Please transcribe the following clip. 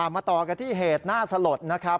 มาต่อกันที่เหตุน่าสลดนะครับ